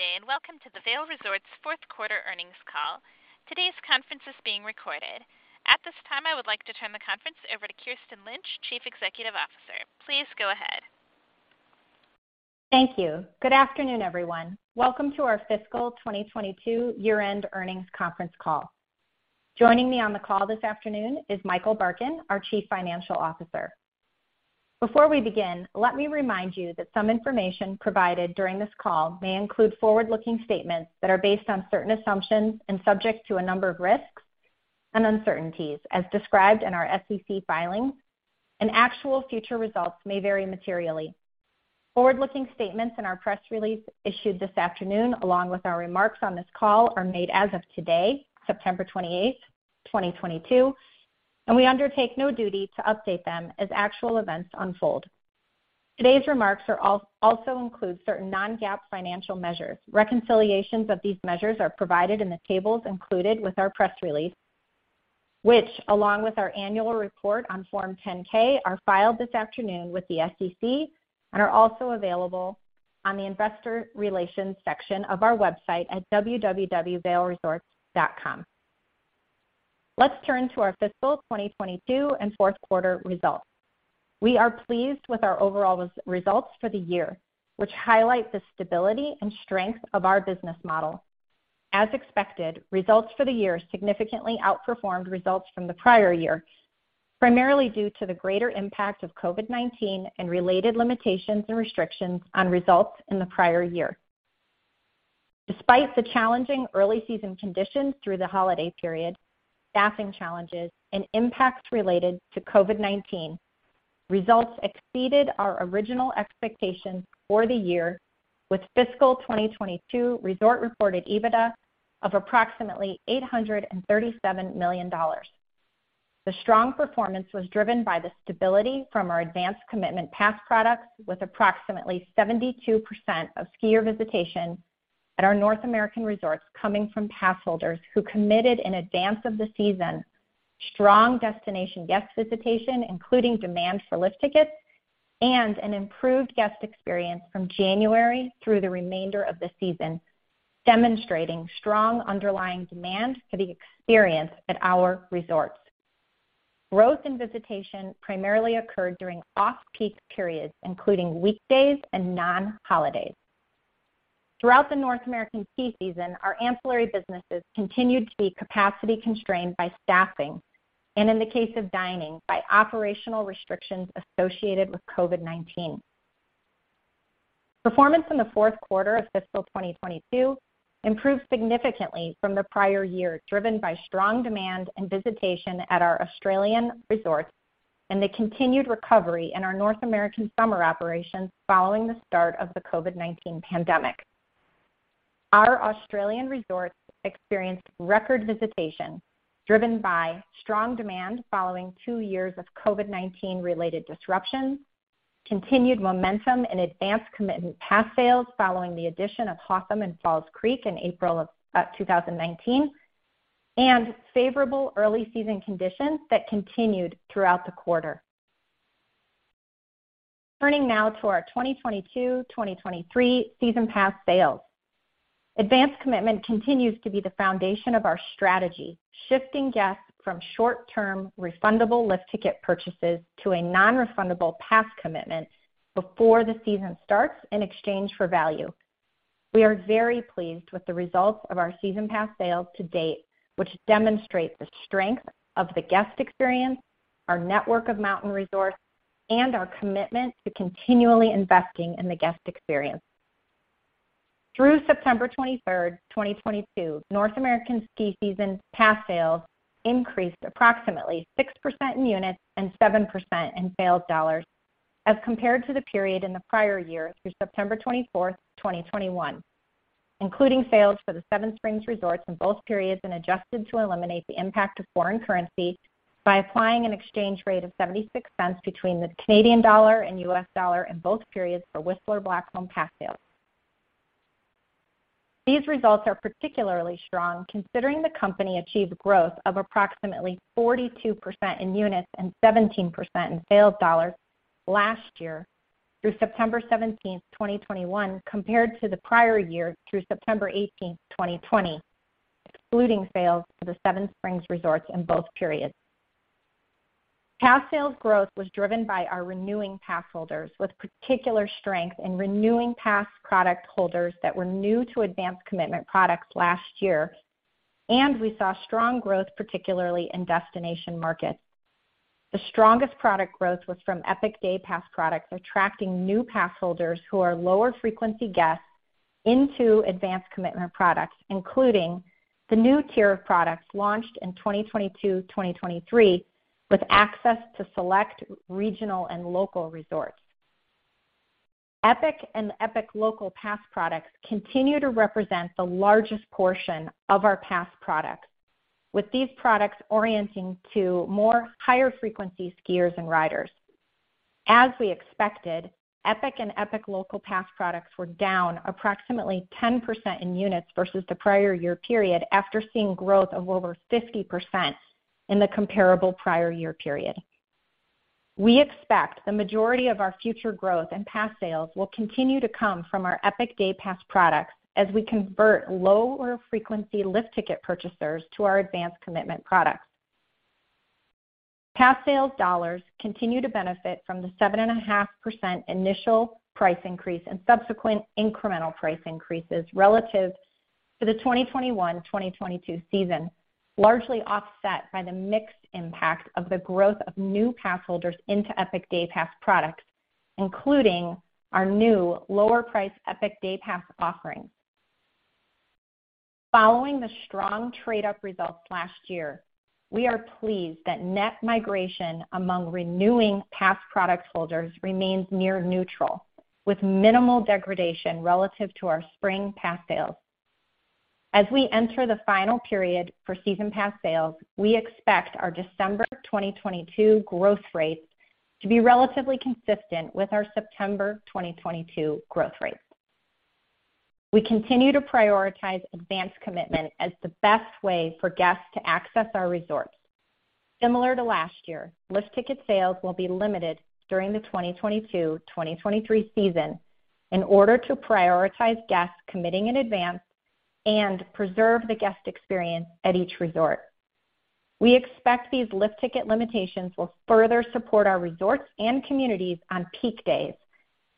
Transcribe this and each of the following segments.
Good day, and welcome to the Vail Resorts fourth quarter earnings call. Today's conference is being recorded. At this time, I would like to turn the conference over to Kirsten Lynch, Chief Executive Officer. Please go ahead. Thank you. Good afternoon, everyone. Welcome to our fiscal 2022 year-end earnings conference call. Joining me on the call this afternoon is Michael Barkin, our Chief Financial Officer. Before we begin, let me remind you that some information provided during this call may include forward-looking statements that are based on certain assumptions and subject to a number of risks and uncertainties as described in our SEC filings, and actual future results may vary materially. Forward-looking statements in our press release issued this afternoon, along with our remarks on this call, are made as of today, September 28, 2022, and we undertake no duty to update them as actual events unfold. Today's remarks also include certain non-GAAP financial measures. Reconciliations of these measures are provided in the tables included with our press release, which, along with our annual report on Form 10-K, are filed this afternoon with the SEC and are also available on the investor relations section of our website at www.vailresorts.com. Let's turn to our fiscal 2022 and fourth quarter results. We are pleased with our overall results for the year, which highlight the stability and strength of our business model. As expected, results for the year significantly outperformed results from the prior year, primarily due to the greater impact of COVID-19 and related limitations and restrictions on results in the prior year. Despite the challenging early season conditions through the holiday period, staffing challenges, and impacts related to COVID-19, results exceeded our original expectations for the year with fiscal 2022 resort-reported EBITDA of approximately $837 million. The strong performance was driven by the stability from our advanced commitment pass products, with approximately 72% of skier visitation at our North American resorts coming from pass holders who committed in advance of the season, strong destination guest visitation, including demand for lift tickets, and an improved guest experience from January through the remainder of the season, demonstrating strong underlying demand for the experience at our resorts. Growth in visitation primarily occurred during off-peak periods, including weekdays and non-holidays. Throughout the North American ski season, our ancillary businesses continued to be capacity constrained by staffing, and in the case of dining, by operational restrictions associated with COVID-19. Performance in the fourth quarter of fiscal 2022 improved significantly from the prior year, driven by strong demand and visitation at our Australian resorts and the continued recovery in our North American summer operations following the start of the COVID-19 pandemic. Our Australian resorts experienced record visitation driven by strong demand following two years of COVID-19 related disruptions, continued momentum in advance commitment pass sales following the addition of Hotham and Falls Creek in April of 2019, and favorable early season conditions that continued throughout the quarter. Turning now to our 2022/2023 season pass sales. Advance commitment continues to be the foundation of our strategy, shifting guests from short-term refundable lift ticket purchases to a non-refundable pass commitment before the season starts in exchange for value. We are very pleased with the results of our season pass sales to date, which demonstrate the strength of the guest experience, our network of mountain resorts, and our commitment to continually investing in the guest experience. Through September 23, 2022, North American ski season pass sales increased approximately 6% in units and 7% in sales dollars as compared to the period in the prior year through September 24, 2021, including sales for the Seven Springs resorts in both periods and adjusted to eliminate the impact of foreign currency by applying an exchange rate of 76 cents between the Canadian dollar and US dollar in both periods for Whistler Blackcomb pass sales. These results are particularly strong considering the company achieved growth of approximately 42% in units and 17% in sales dollars last year through September 17, 2021, compared to the prior year through September 18, 2020, excluding sales for the Seven Springs resorts in both periods. Pass sales growth was driven by our renewing pass holders, with particular strength in renewing pass product holders that were new to advanced commitment products last year. We saw strong growth, particularly in destination markets. The strongest product growth was from Epic Day Pass products, attracting new pass holders who are lower frequency guests into advanced commitment products, including the new tier of products launched in 2022/2023 with access to select regional and local resorts. Epic and Epic Local Pass products continue to represent the largest portion of our pass products, with these products orienting to more higher frequency skiers and riders. As we expected, Epic and Epic Local Pass products were down approximately 10% in units versus the prior year period after seeing growth of over 50% in the comparable prior year period. We expect the majority of our future growth and pass sales will continue to come from our Epic Day Pass products as we convert lower frequency lift ticket purchasers to our advanced commitment products. Pass sales dollars continue to benefit from the 7.5% initial price increase and subsequent incremental price increases relative to the 2021-2022 season, largely offset by the mixed impact of the growth of new pass holders into Epic Day Pass products, including our new lower price Epic Day Pass offerings. Following the strong trade-up results last year, we are pleased that net migration among renewing pass product holders remains near neutral, with minimal degradation relative to our spring pass sales. As we enter the final period for season pass sales, we expect our December 2022 growth rates to be relatively consistent with our September 2022 growth rates. We continue to prioritize advance commitment as the best way for guests to access our resorts. Similar to last year, lift ticket sales will be limited during the 2022-2023 season in order to prioritize guests committing in advance and preserve the guest experience at each resort. We expect these lift ticket limitations will further support our resorts and communities on peak days,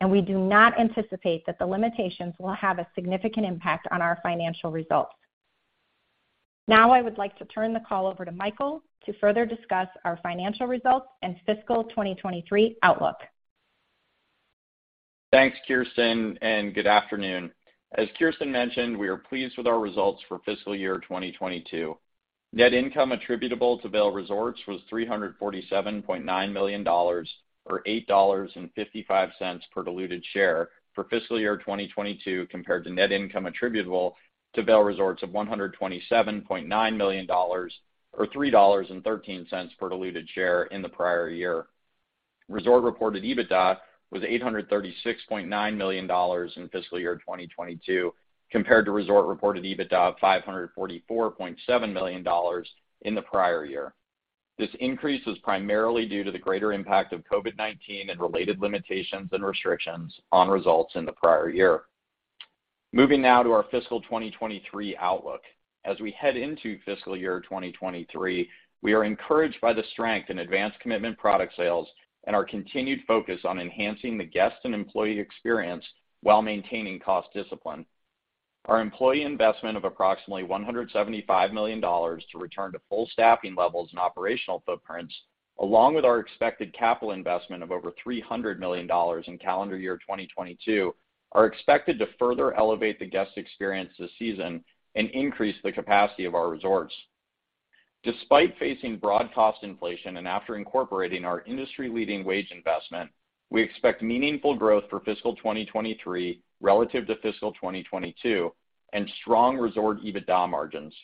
and we do not anticipate that the limitations will have a significant impact on our financial results. Now I would like to turn the call over to Michael to further discuss our financial results and fiscal 2023 outlook. Thanks, Kirsten, and good afternoon. As Kirsten mentioned, we are pleased with our results for fiscal year 2022. Net income attributable to Vail Resorts was $347.9 million or $8.55 per diluted share for fiscal year 2022 compared to net income attributable to Vail Resorts of $127.9 million or $3.13 per diluted share in the prior year. Resort reported EBITDA was $836.9 million in fiscal year 2022 compared to resort reported EBITDA of $544.7 million in the prior year. This increase was primarily due to the greater impact of COVID-19 and related limitations and restrictions on results in the prior year. Moving now to our fiscal 2023 outlook. As we head into fiscal year 2023, we are encouraged by the strength in advanced commitment product sales and our continued focus on enhancing the guest and employee experience while maintaining cost discipline. Our employee investment of approximately $175 million to return to full staffing levels and operational footprints, along with our expected capital investment of over $300 million in calendar year 2022, are expected to further elevate the guest experience this season and increase the capacity of our resorts. Despite facing broad cost inflation and after incorporating our industry-leading wage investment, we expect meaningful growth for fiscal 2023 relative to fiscal 2022 and strong resort EBITDA margins.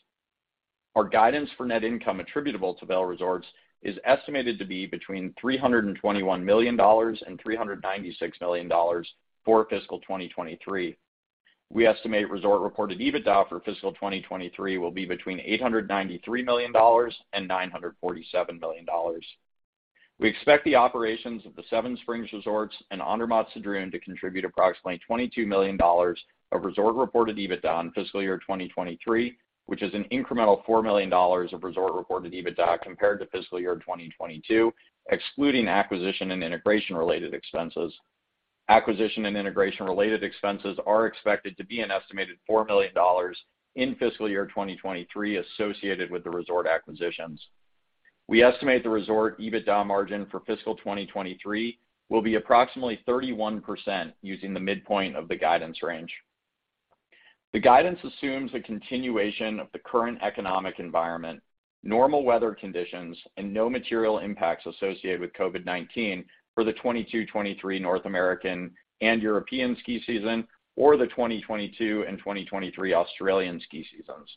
Our guidance for net income attributable to Vail Resorts is estimated to be between $321 million and $396 million for fiscal 2023. We estimate resort-reported EBITDA for fiscal 2023 will be between $893 million and $947 million. We expect the operations of the Seven Springs Mountain Resort and Andermatt-Sedrun to contribute approximately $22 million of resort-reported EBITDA in fiscal year 2023, which is an incremental $4 million of resort-reported EBITDA compared to fiscal year 2022, excluding acquisition and integration related expenses. Acquisition and integration related expenses are expected to be an estimated $4 million in fiscal year 2023 associated with the resort acquisitions. We estimate the resort EBITDA margin for fiscal 2023 will be approximately 31% using the midpoint of the guidance range. The guidance assumes a continuation of the current economic environment, normal weather conditions, and no material impacts associated with COVID-19 for the 2023 North American and European ski season or the 2022 and 2023 Australian ski seasons.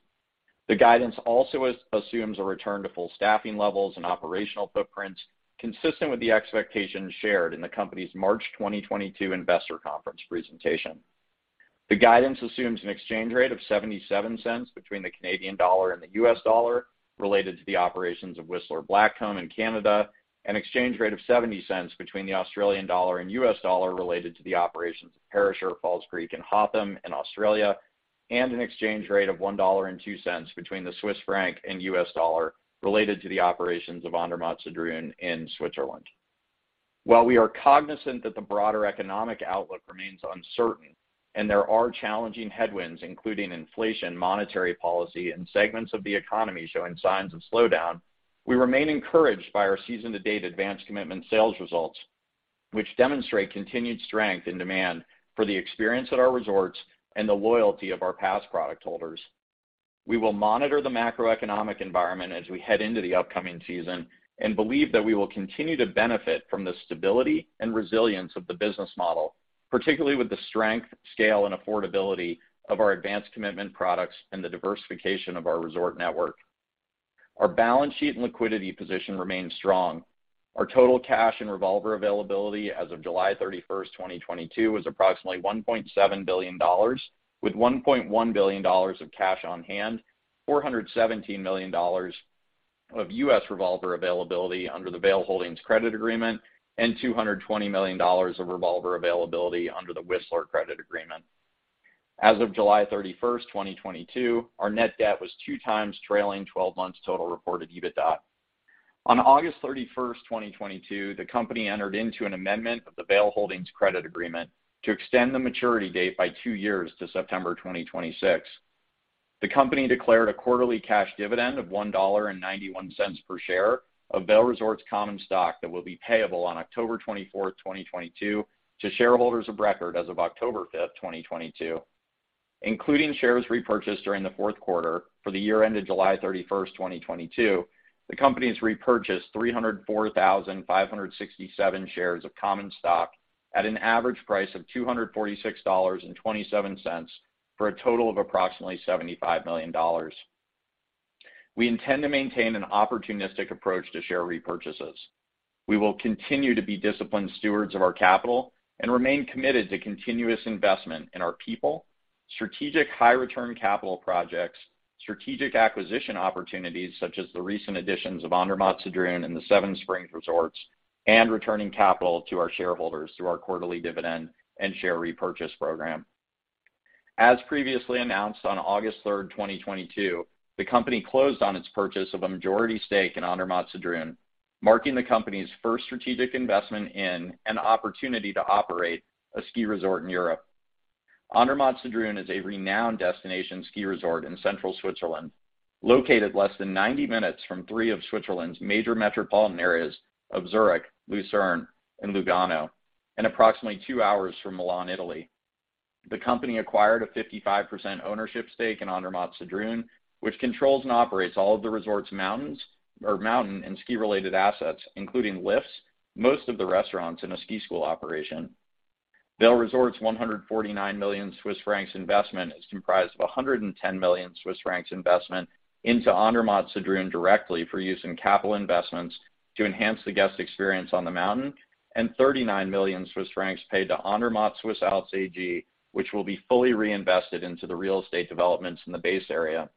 The guidance also assumes a return to full staffing levels and operational footprints consistent with the expectations shared in the company's March 2022 investor conference presentation. The guidance assumes an exchange rate of 0.77 between the Canadian dollar and the US dollar related to the operations of Whistler Blackcomb in Canada, an exchange rate of 0.70 between the Australian dollar and US dollar related to the operations of Perisher, Falls Creek, and Hotham in Australia, and an exchange rate of 1.02 between the Swiss franc and US dollar related to the operations of Andermatt-Sedrun in Switzerland. While we are cognizant that the broader economic outlook remains uncertain and there are challenging headwinds, including inflation, monetary policy, and segments of the economy showing signs of slowdown, we remain encouraged by our season to date advance commitment sales results, which demonstrate continued strength and demand for the experience at our resorts and the loyalty of our pass product holders. We will monitor the macroeconomic environment as we head into the upcoming season and believe that we will continue to benefit from the stability and resilience of the business model, particularly with the strength, scale, and affordability of our advanced commitment products and the diversification of our resort network. Our balance sheet and liquidity position remains strong. Our total cash and revolver availability as of July 31, 2022 was approximately $1.7 billion, with $1.1 billion of cash on hand. $417 million of U.S. revolver availability under the Vail Holdings Credit Agreement and $220 million of revolver availability under the Whistler Credit Agreement. As of July 31, 2022, our net debt was 2x trailing twelve months total reported EBITDA. On August 31, 2022, the company entered into an amendment of the Vail Holdings Credit Agreement to extend the maturity date by two years to September 2026. The company declared a quarterly cash dividend of $1.91 per share of Vail Resorts common stock that will be payable on October 24, 2022 to shareholders of record as of October 5, 2022. Including shares repurchased during the fourth quarter for the year ended July 31, 2022, the company has repurchased 304,567 shares of common stock at an average price of $246.27 for a total of approximately $75 million. We intend to maintain an opportunistic approach to share repurchases. We will continue to be disciplined stewards of our capital and remain committed to continuous investment in our people, strategic high return capital projects, strategic acquisition opportunities such as the recent additions of Andermatt-Sedrun and the Seven Springs Mountain Resort, and returning capital to our shareholders through our quarterly dividend and share repurchase program. As previously announced on August 3, 2022, the company closed on its purchase of a majority stake in Andermatt-Sedrun, marking the company's first strategic investment in an opportunity to operate a ski resort in Europe. Andermatt-Sedrun is a renowned destination ski resort in central Switzerland, located less than 90 minutes from three of Switzerland's major metropolitan areas of Zurich, Lucerne, and Lugano, and approximately 2 hours from Milan, Italy. The company acquired a 55% ownership stake in Andermatt-Sedrun, which controls and operates all of the resort's mountains or mountain and ski-related assets, including lifts, most of the restaurants, and a ski school operation. Vail Resorts 149 million Swiss francs investment is comprised of 110 million Swiss francs investment into Andermatt-Sedrun directly for use in capital investments to enhance the guest experience on the mountain, and 39 million Swiss francs paid to Andermatt Swiss Alps AG, which will be fully reinvested into the real estate developments in the base area.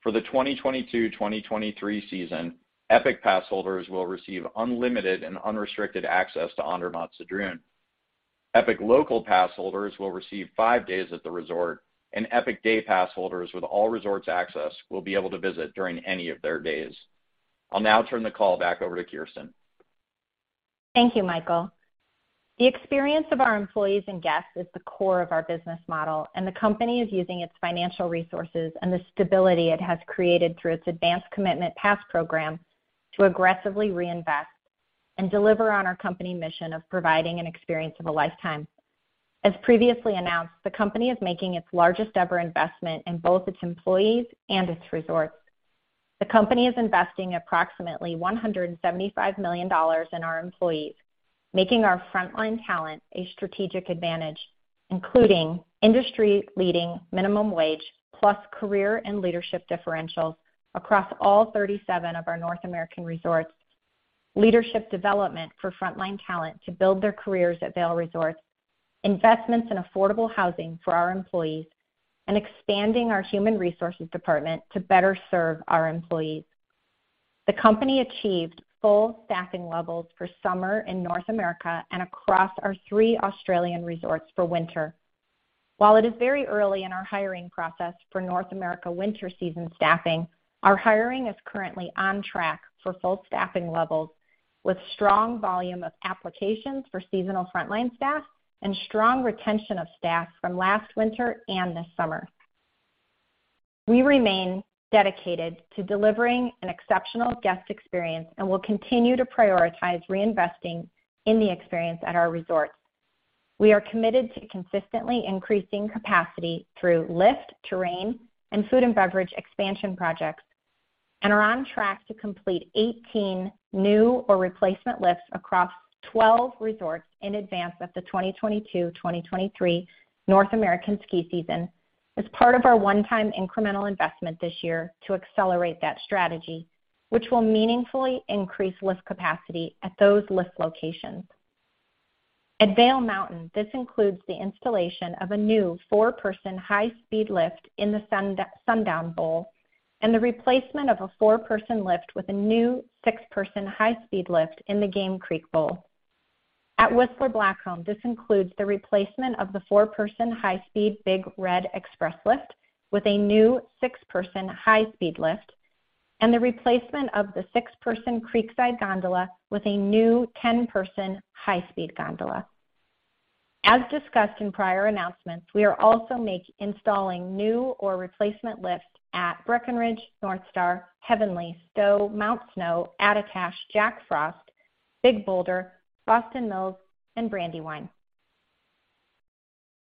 For the 2022-2023 season, Epic Passholders will receive unlimited and unrestricted access to Andermatt-Sedrun. Epic Local Passholders will receive 5 days at the resort, and Epic Day Passholders with all resorts access will be able to visit during any of their days. I'll now turn the call back over to Kirsten. Thank you, Michael. The experience of our employees and guests is the core of our business model, and the company is using its financial resources and the stability it has created through its advanced commitment pass program to aggressively reinvest and deliver on our company mission of providing an experience of a lifetime. As previously announced, the company is making its largest-ever investment in both its employees and its resorts. The company is investing approximately $175 million in our employees, making our frontline talent a strategic advantage, including industry-leading minimum wage plus career and leadership differentials across all 37 of our North American resorts, leadership development for frontline talent to build their careers at Vail Resorts, investments in affordable housing for our employees, and expanding our human resources department to better serve our employees. The company achieved full staffing levels for summer in North America and across our three Australian resorts for winter. While it is very early in our hiring process for North America winter season staffing, our hiring is currently on track for full staffing levels with strong volume of applications for seasonal frontline staff and strong retention of staff from last winter and this summer. We remain dedicated to delivering an exceptional guest experience and will continue to prioritize reinvesting in the experience at our resorts. We are committed to consistently increasing capacity through lift, terrain, and food and beverage expansion projects, and are on track to complete 18 new or replacement lifts across 12 resorts in advance of the 2022-2023 North American ski season as part of our one-time incremental investment this year to accelerate that strategy, which will meaningfully increase lift capacity at those lift locations. At Vail Mountain, this includes the installation of a new 4-person high-speed lift in the Sundown Bowl and the replacement of a 4-person lift with a new 6-person high-speed lift in the Game Creek Bowl. At Whistler Blackcomb, this includes the replacement of the 4-person high-speed Big Red Express lift with a new 6-person high-speed lift and the replacement of the 6-person Creekside Gondola with a new 10-person high-speed gondola. As discussed in prior announcements, we are also installing new or replacement lifts at Breckenridge, Northstar, Heavenly, Stowe, Mount Snow, Attitash, Jack Frost, Big Boulder, Boston Mills, and Brandywine.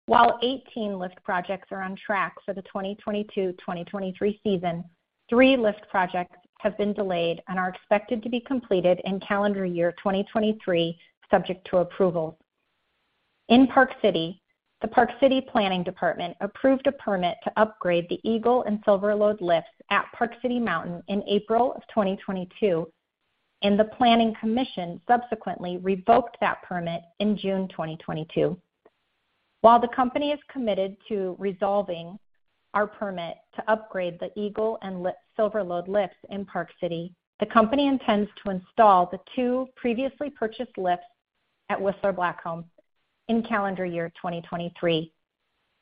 While 18 lift projects are on track for the 2022-2023 season, 3 lift projects have been delayed and are expected to be completed in calendar year 2023, subject to approval. In Park City, the Park City Planning Department approved a permit to upgrade the Eagle and Silverlode lifts at Park City Mountain in April 2022, and the Planning Commission subsequently revoked that permit in June 2022. While the company is committed to resolving our permit to upgrade the Eagle and Silverlode lifts in Park City, the company intends to install the two previously purchased lifts at Whistler Blackcomb in calendar year 2023,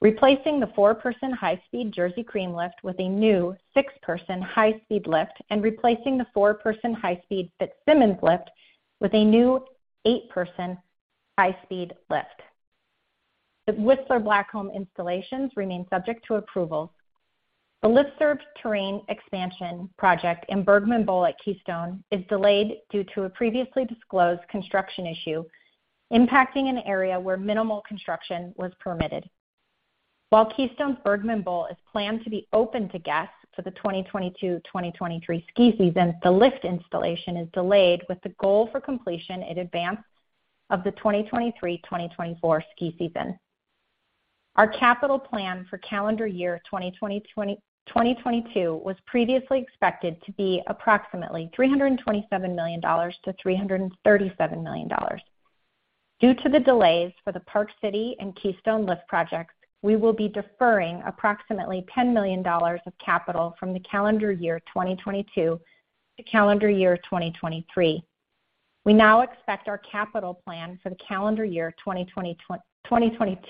replacing the four-person high speed Jersey Cream lift with a new six-person high speed lift and replacing the four-person high speed Fitzsimmons lift with a new eight-person high speed lift. The Whistler Blackcomb installations remain subject to approval. The lift-served terrain expansion project in Bergman Bowl at Keystone is delayed due to a previously disclosed construction issue impacting an area where minimal construction was permitted. While Keystone's Bergman Bowl is planned to be open to guests for the 2022/2023 ski season, the lift installation is delayed with the goal for completion in advance of the 2023/2024 ski season. Our capital plan for calendar year 2022 was previously expected to be approximately $327 million-$337 million. Due to the delays for the Park City and Keystone lift projects, we will be deferring approximately $10 million of capital from the calendar year 2022 to calendar year 2023. We now expect our capital plan for the calendar year 2022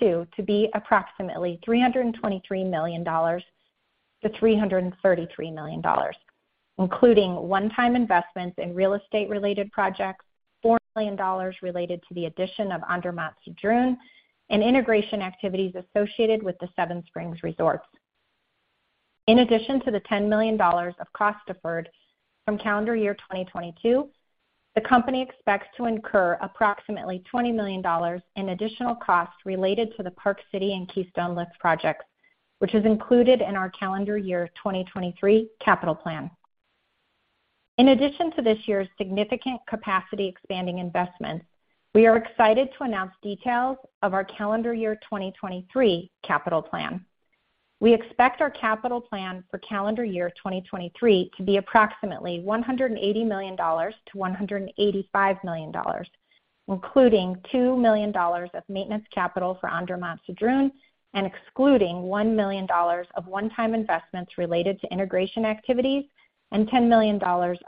to be approximately $323 million-$333 million, including one-time investments in real estate related projects, $4 million related to the addition of Andermatt-Sedrun, and integration activities associated with the Seven Springs Mountain Resort. In addition to the $10 million of cost deferred from calendar year 2022, the company expects to incur approximately $20 million in additional costs related to the Park City and Keystone lift projects, which is included in our calendar year 2023 capital plan. In addition to this year's significant capacity expanding investments, we are excited to announce details of our calendar year 2023 capital plan. We expect our capital plan for calendar year 2023 to be approximately $180 million-$185 million, including $2 million of maintenance capital for Andermatt-Sedrun and excluding $1 million of one-time investments related to integration activities and $10 million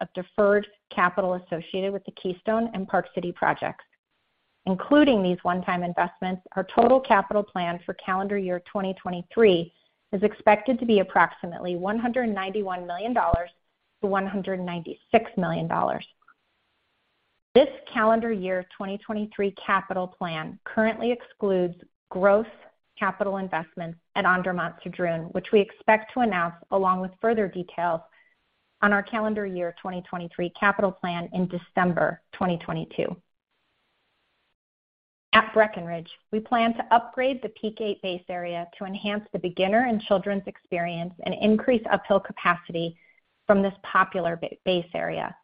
of deferred capital associated with the Keystone and Park City projects. Including these one-time investments, our total capital plan for calendar year 2023 is expected to be approximately $191 million-$196 million. This calendar year 2023 capital plan currently excludes growth capital investments at Andermatt-Sedrun, which we expect to announce along with further details on our calendar year 2023 capital plan in December 2022. At Breckenridge, we plan to upgrade the Peak Eight base area to enhance the beginner and children's experience and increase uphill capacity from this popular base area.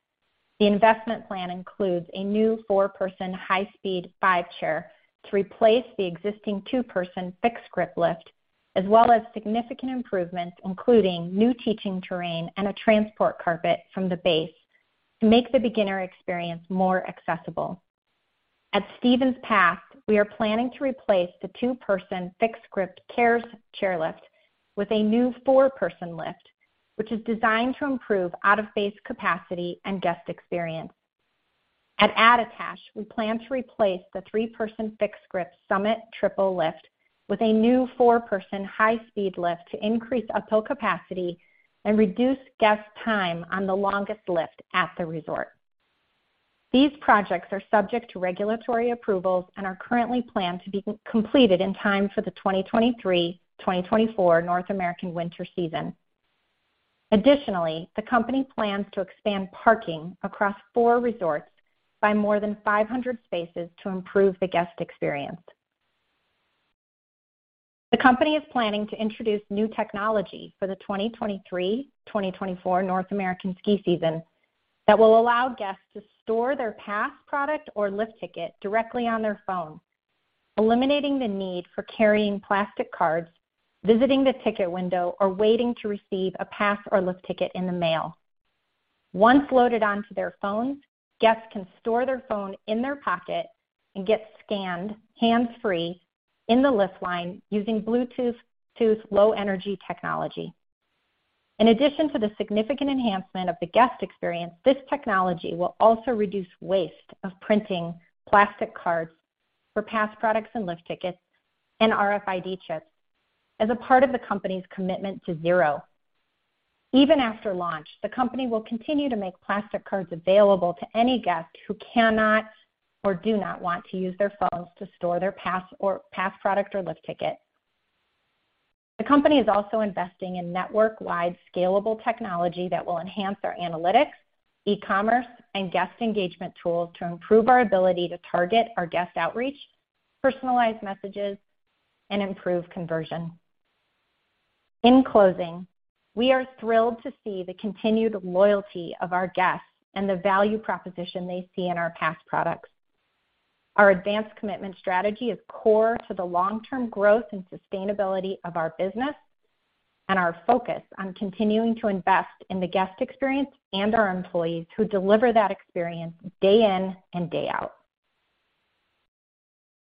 The investment plan includes a new four-person high speed fixed chair to replace the existing two-person fixed grip lift, as well as significant improvements, including new teaching terrain and a transport carpet from the base to make the beginner experience more accessible. At Stevens Pass, we are planning to replace the two-person fixed grip chairlift with a new four-person lift, which is designed to improve out of base capacity and guest experience. At Attitash, we plan to replace the three-person fixed grip Summit triple lift with a new four-person high speed lift to increase uphill capacity and reduce guest time on the longest lift at the resort. These projects are subject to regulatory approvals and are currently planned to be completed in time for the 2023/2024 North American winter season. Additionally, the company plans to expand parking across four resorts by more than 500 spaces to improve the guest experience. The company is planning to introduce new technology for the 2023/2024 North American ski season that will allow guests to store their pass product or lift ticket directly on their phone, eliminating the need for carrying plastic cards, visiting the ticket window, or waiting to receive a pass or lift ticket in the mail. Once loaded onto their phone, guests can store their phone in their pocket and get scanned hands-free in the lift line using Bluetooth Low Energy technology. In addition to the significant enhancement of the guest experience, this technology will also reduce waste of printing plastic cards for pass products and lift tickets and RFID chips as a part of the company's commitment to zero waste. Even after launch, the company will continue to make plastic cards available to any guest who cannot or do not want to use their phones to store their pass product or lift ticket. The company is also investing in network-wide scalable technology that will enhance our analytics, e-commerce, and guest engagement tools to improve our ability to target our guest outreach, personalize messages, and improve conversion. In closing, we are thrilled to see the continued loyalty of our guests and the value proposition they see in our pass products. Our advanced commitment strategy is core to the long-term growth and sustainability of our business. Our focus on continuing to invest in the guest experience and our employees who deliver that experience day in and day out.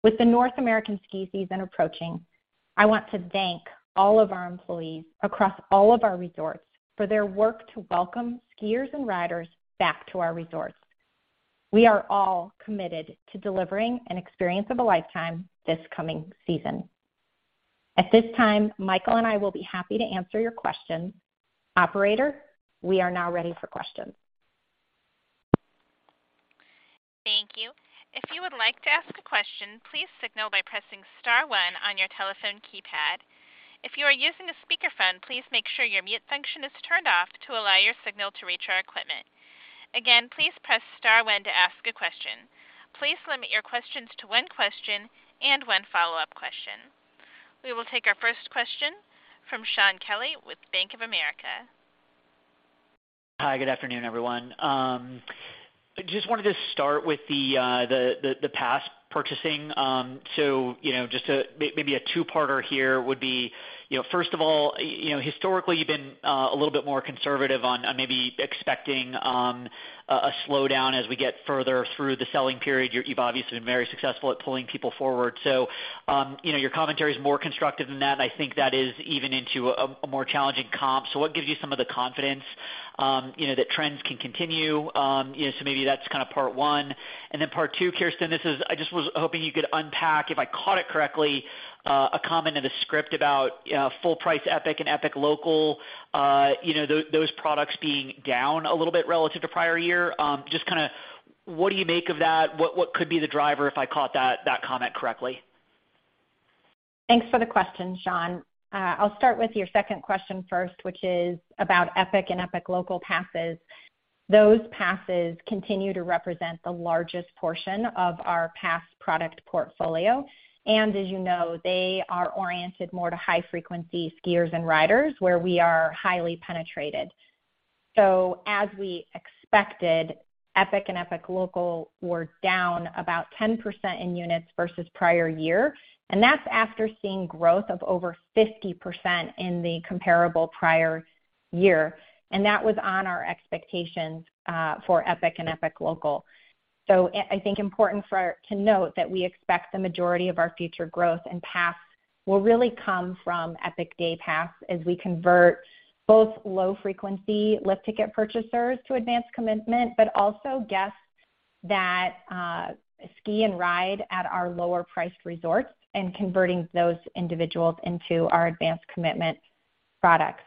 With the North American ski season approaching, I want to thank all of our employees across all of our resorts for their work to welcome skiers and riders back to our resorts. We are all committed to delivering an experience of a lifetime this coming season. At this time, Michael and I will be happy to answer your questions. Operator, we are now ready for questions. Thank you. If you would like to ask a question, please signal by pressing star one on your telephone keypad. If you are using a speakerphone, please make sure your mute function is turned off to allow your signal to reach our equipment. Again, please press star one to ask a question. Please limit your questions to one question and one follow-up question. We will take our first question from Shaun Kelley with Bank of America. Hi, good afternoon, everyone. Just wanted to start with the pass purchasing. You know, just to maybe a two-parter here would be, you know, first of all, you know, historically, you've been a little bit more conservative on maybe expecting a slowdown as we get further through the selling period. You've obviously been very successful at pulling people forward. You know, your commentary is more constructive than that, and I think that is even into a more challenging comp. What gives you some of the confidence, you know, that trends can continue? Maybe that's kinda part one. Part two, Kirsten, I just was hoping you could unpack, if I caught it correctly, a comment in the script about full price Epic and Epic Local, you know, those products being down a little bit relative to prior year. Just kinda, what do you make of that? What could be the driver if I caught that comment correctly? Thanks for the question, Sean. I'll start with your second question first, which is about Epic and Epic Local passes. Those passes continue to represent the largest portion of our pass product portfolio. As you know, they are oriented more to high frequency skiers and riders where we are highly penetrated. As we expected, Epic and Epic Local were down about 10% in units versus prior year, and that's after seeing growth of over 50% in the comparable prior year. That was on our expectations for Epic and Epic Local. I think important to note that we expect the majority of our future growth in pass will really come from Epic Day Pass as we convert both low frequency lift ticket purchasers to advance commitment, but also guests that ski and ride at our lower priced resorts and converting those individuals into our advanced commitment products.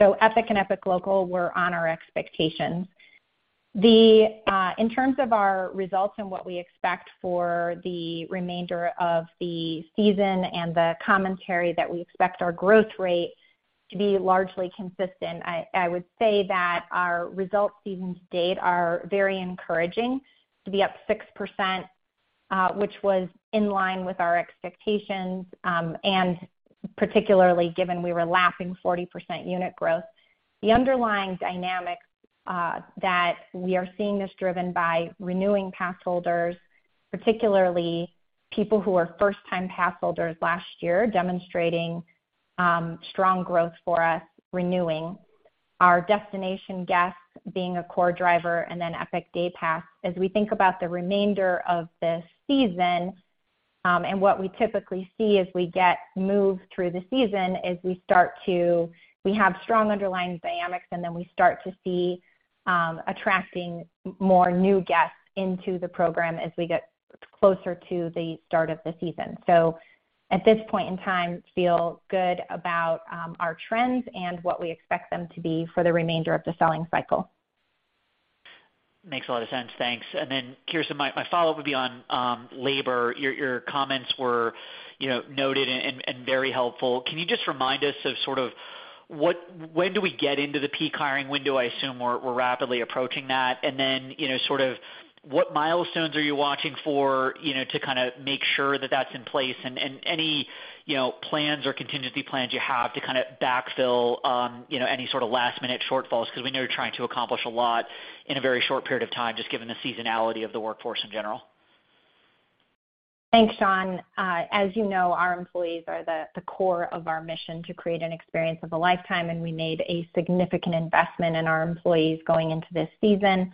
Epic and Epic Local were on our expectations. Then in terms of our results and what we expect for the remainder of the season and the commentary that we expect our growth rate to be largely consistent, I would say that our results season to date are very encouraging to be up 6%, which was in line with our expectations, and particularly given we were lapping 40% unit growth. The underlying dynamics that we are seeing is driven by renewing passholders, particularly people who were first-time passholders last year, demonstrating strong growth for us, renewing. Our destination guests being a core driver and then Epic Day Pass. As we think about the remainder of the season, and what we typically see as we move through the season is we have strong underlying dynamics, and then we start to see attracting more new guests into the program as we get closer to the start of the season. At this point in time, feel good about our trends and what we expect them to be for the remainder of the selling cycle. Makes a lot of sense. Thanks. Then Kirsten, my follow-up would be on labor. Your comments were, you know, noted and very helpful. Can you just remind us of sort of when do we get into the peak hiring window? I assume we're rapidly approaching that. Then, you know, sort of what milestones are you watching for, you know, to kinda make sure that that's in place and any, you know, plans or contingency plans you have to kinda backfill, you know, any sort of last-minute shortfalls? 'Cause we know you're trying to accomplish a lot in a very short period of time, just given the seasonality of the workforce in general. Thanks, Shaun. As you know, our employees are the core of our mission to create an experience of a lifetime, and we made a significant investment in our employees going into this season.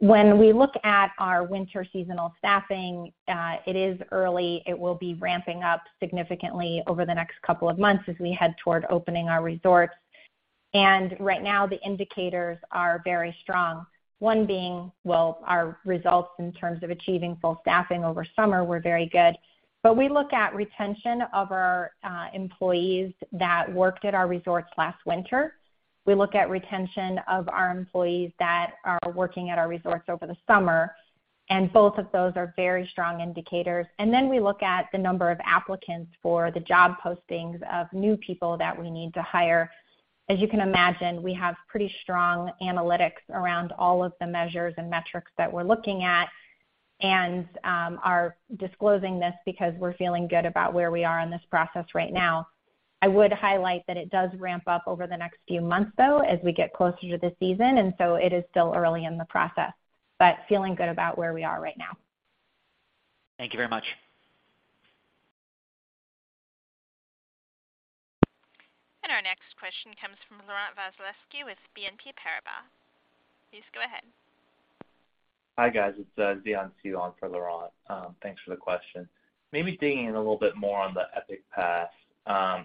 When we look at our winter seasonal staffing, it is early. It will be ramping up significantly over the next couple of months as we head toward opening our resorts. Right now, the indicators are very strong. One being, well, our results in terms of achieving full staffing over summer were very good. We look at retention of our employees that worked at our resorts last winter. We look at retention of our employees that are working at our resorts over the summer, and both of those are very strong indicators. We look at the number of applicants for the job postings of new people that we need to hire. As you can imagine, we have pretty strong analytics around all of the measures and metrics that we're looking at and are disclosing this because we're feeling good about where we are in this process right now. I would highlight that it does ramp up over the next few months, though, as we get closer to the season, and so it is still early in the process, but feeling good about where we are right now. Thank you very much. Our next question comes from Laurent Vasilescu with BNP Paribas. Please go ahead. Hi, guys. It's Zian Su on for Laurent. Thanks for the question. Maybe digging in a little bit more on the Epic Pass.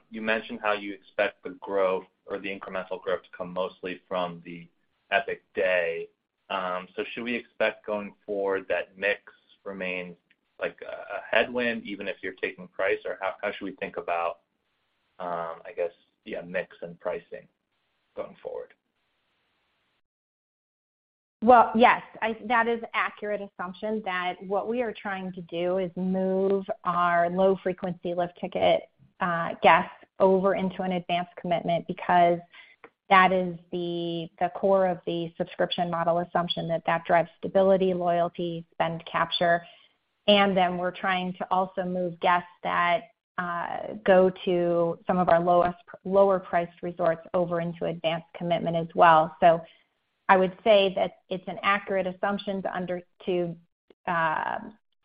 You mentioned how you expect the growth or the incremental growth to come mostly from the Epic Day Pass. Should we expect going forward that mix remains like a headwind even if you're taking price or how should we think about, I guess, yeah, mix and pricing going forward? Well, yes. That is accurate assumption that what we are trying to do is move our low frequency lift ticket guests over into an advanced commitment because that is the core of the subscription model assumption that drives stability, loyalty, spend capture. We're trying to also move guests that go to some of our lower priced resorts over into advanced commitment as well. I would say that it's an accurate assumption to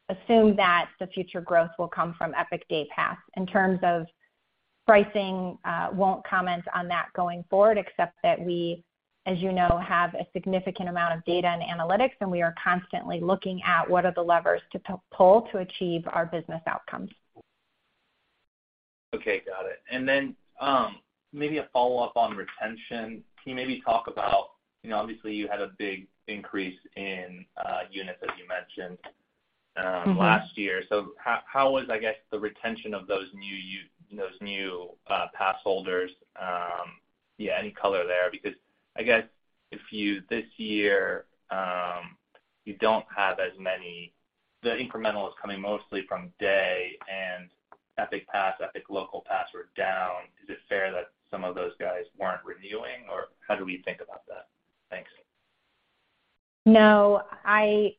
assume that the future growth will come from Epic Day Pass. In terms of pricing, won't comment on that going forward, except that we, as you know, have a significant amount of data and analytics, and we are constantly looking at what are the levers to pull to achieve our business outcomes. Okay, got it. Maybe a follow-up on retention. Can you maybe talk about, you know, obviously you had a big increase in units as you mentioned last year. How was, I guess, the retention of those new pass holders? Yeah, any color there? Because I guess this year you don't have as many. The incremental is coming mostly from day and Epic Pass. Epic Local Pass were down. Is it fair that some of those guys weren't renewing or how do we think about that? Thanks. No.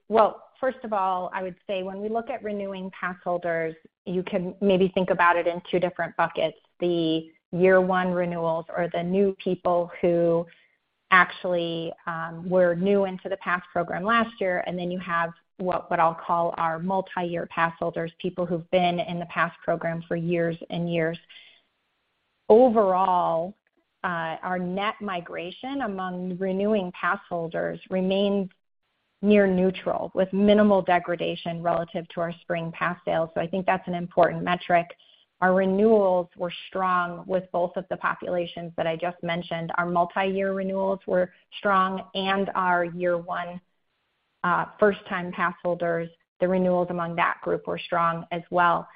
Well, first of all, I would say when we look at renewing pass holders, you can maybe think about it in two different buckets. The year one renewals or the new people who actually were new into the pass program last year, and then you have what I'll call our multi-year pass holders, people who've been in the pass program for years and years. Overall, our net migration among renewing pass holders remains near neutral with minimal degradation relative to our spring pass sale. I think that's an important metric. Our renewals were strong with both of the populations that I just mentioned. Our multi-year renewals were strong and our year one, first time pass holders, the renewals among that group were strong as well.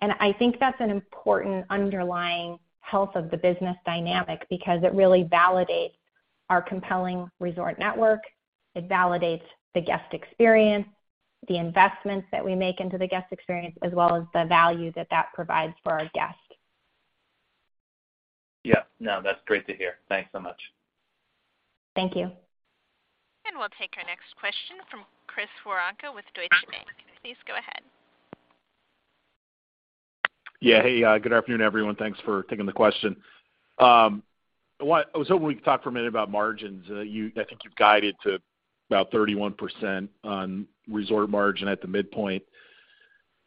I think that's an important underlying health of the business dynamic because it really validates our compelling resort network, it validates the guest experience, the investments that we make into the guest experience, as well as the value that that provides for our guests. Yeah. No, that's great to hear. Thanks so much. Thank you. We'll take our next question from Chris Woronka with Deutsche Bank. Please go ahead. Yeah. Hey, good afternoon, everyone. Thanks for taking the question. I was hoping we could talk for a minute about margins. I think you've guided to about 31% on resort margin at the midpoint.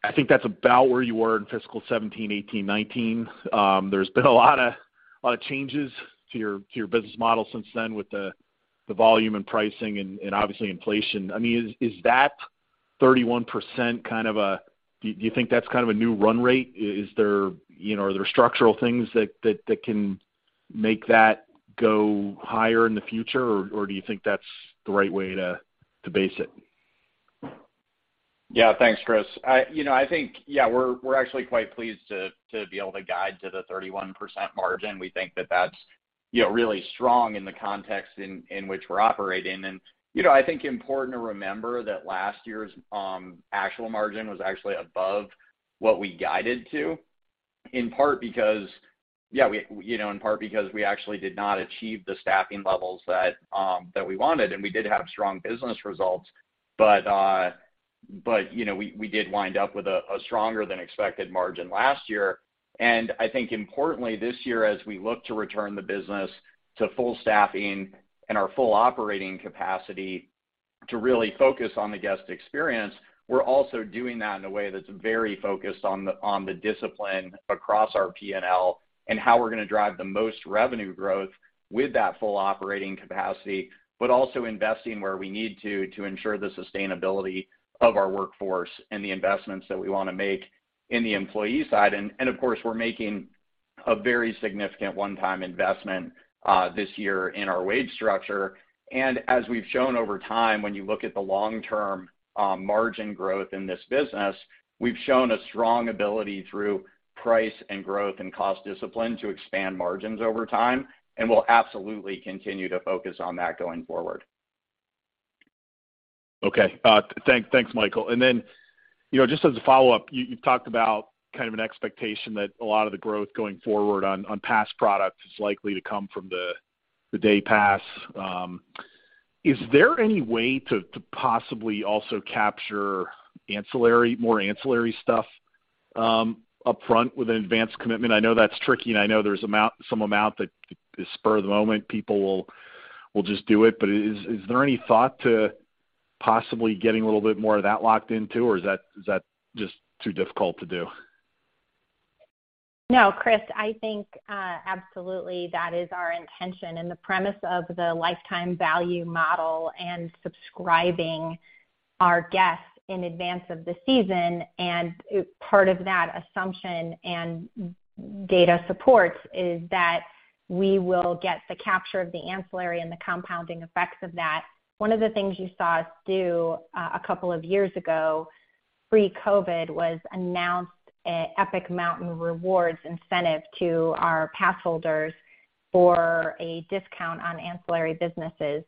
I think that's about where you were in fiscal 2017, 2018, 2019. There's been a lot of changes to your business model since then with the volume and pricing and obviously inflation. I mean, is that 31%? Do you think that's kind of a new run rate? Is there, you know, are there structural things that can make that go higher in the future or do you think that's the right way to base it? Yeah. Thanks, Chris. You know, I think, yeah, we're actually quite pleased to be able to guide to the 31% margin. We think that that's, you know, really strong in the context in which we're operating. You know, I think important to remember that last year's actual margin was actually above what we guided to, in part because we actually did not achieve the staffing levels that we wanted, and we did have strong business results. You know, we did wind up with a stronger than expected margin last year. I think importantly this year as we look to return the business to full staffing and our full operating capacity to really focus on the guest experience, we're also doing that in a way that's very focused on the discipline across our P&L and how we're gonna drive the most revenue growth with that full operating capacity, but also investing where we need to to ensure the sustainability of our workforce and the investments that we wanna make in the employee side. Of course, we're making a very significant one-time investment this year in our wage structure. As we've shown over time, when you look at the long-term margin growth in this business, we've shown a strong ability through price and growth and cost discipline to expand margins over time, and we'll absolutely continue to focus on that going forward. Thanks Michael. You know, just as a follow-up, you've talked about kind of an expectation that a lot of the growth going forward on pass products is likely to come from the day pass. Is there any way to possibly also capture ancillary, more ancillary stuff? Up front with an advanced commitment. I know that's tricky, and I know there's some amount that is spur of the moment, people will just do it. Is there any thought to possibly getting a little bit more of that locked in too, or is that just too difficult to do? No, Chris. I think absolutely that is our intention and the premise of the lifetime value model and subscribing our guests in advance of the season. Part of that assumption and data supports is that we will get the capture of the ancillary and the compounding effects of that. One of the things you saw us do a couple of years ago, pre-COVID, was announce an Epic Mountain Rewards incentive to our pass holders for a discount on ancillary businesses.